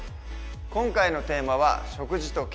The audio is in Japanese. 今回のテーマは「食事と健康」。